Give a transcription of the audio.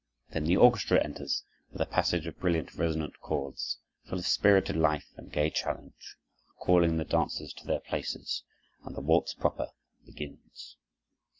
Then the orchestra enters, with a passage of brilliant resonant chords, full of spirited life and gay challenge, calling the dancers to their places, and the waltz proper begins.